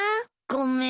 ごめん。